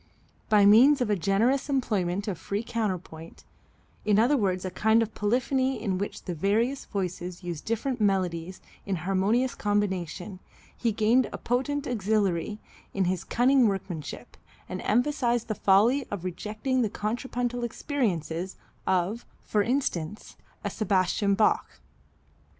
By means of a generous employment of free counterpoint, in other words a kind of polyphony in which the various voices use different melodies in harmonious combination, he gained a potent auxiliary in his cunning workmanship, and emphasized the folly of rejecting the contrapuntal experiences, of, for instance, a Sebastian Bach.